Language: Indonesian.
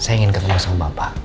saya ingin ketemu sama bapak